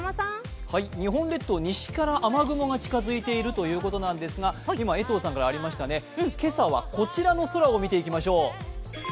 日本列島、西から雨雲が近づいているということなんですが、今朝はこちらの空を見ていきましょう。